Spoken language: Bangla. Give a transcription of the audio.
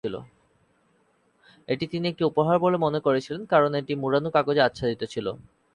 এটি তিনি একটি উপহার বলে মনে করেছিলেন, কারণ এটি মোড়ানো কাগজে আচ্ছাদিত ছিল।